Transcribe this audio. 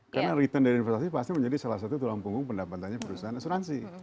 karena return dari investasi pasti menjadi salah satu tulang punggung pendapatannya perusahaan asuransi